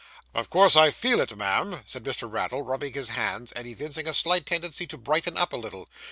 'Of course I feel it, ma'am,' said Mr. Raddle, rubbing his hands, and evincing a slight tendency to brighten up a little.